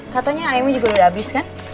katanya ayamnya juga udah habis kan